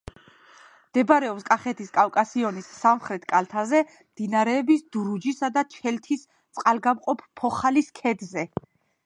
მდებარეობს კახეთის კავკასიონის სამხრეთ კალთაზე, მდინარეების დურუჯისა და ჩელთის წყალგამყოფ ფოხალის ქედზე.